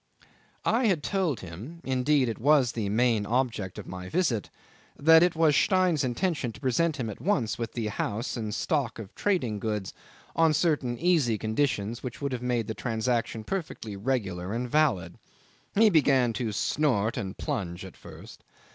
'I had told him (indeed it was the main object of my visit) that it was Stein's intention to present him at once with the house and the stock of trading goods, on certain easy conditions which would make the transaction perfectly regular and valid. He began to snort and plunge at first.